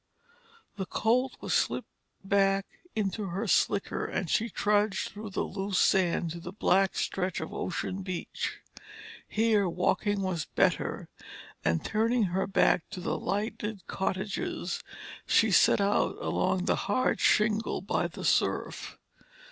The Colt was slipped back into her slicker, and she trudged through the loose sand to the black stretch of ocean beach. Here, walking was better, and turning her back on the lighted cottages, she set out along the hard shingle by the surf.